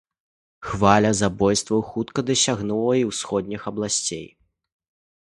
Хваля забойстваў хутка дасягнула і ўсходніх абласцей.